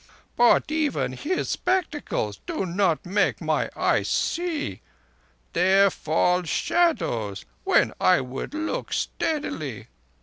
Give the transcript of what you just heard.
But even his spectacles do not make my eyes see. There fall shadows when I would look steadily.